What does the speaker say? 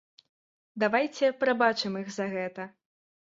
Давайце прабачым іх за гэта.